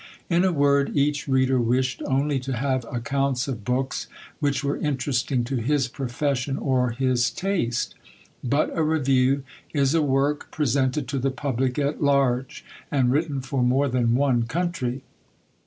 In a word, each reader wished only to have accounts of books, which were interesting to his profession or his taste. But a review is a work presented to the public at large, and written for more than one country.